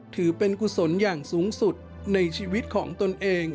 ถือเป็นกุศลอย่างสูงสุดในชีวิตของตนเอง